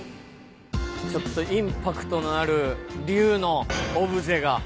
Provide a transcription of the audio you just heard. ちょっとインパクトのある竜のオブジェが。